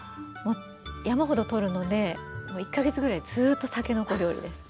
山ほど取るので１か月ぐらいずっとたけのこ料理です。